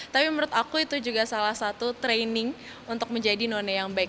tapi menurut aku itu juga salah satu training untuk menjadi none yang baik